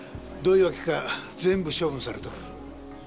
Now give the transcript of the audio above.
どういうわけか全部処分されとる。